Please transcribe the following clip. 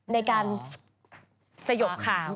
ในการสยบข่าว